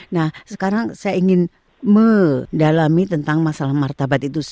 nah sekarang saya ingin mendalami tentang masalah martabat itu